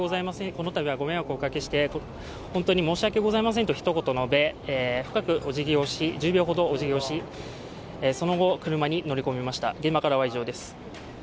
このたびはご迷惑をおかけして本当に申し訳ございませんでしたとひと言述べ、深くおじぎをし、１０秒ほどおじぎをして、その後車に乗り込みました。